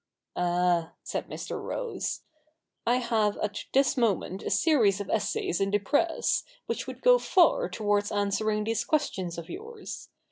'Ah,' said Mr. Rose, 'I have at this moment a series of essays in the press, which would go far towards answer ing these questions of yours.